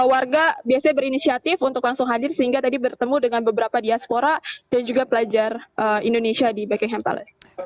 warga biasanya berinisiatif untuk langsung hadir sehingga tadi bertemu dengan beberapa diaspora dan juga pelajar indonesia di buckingham palace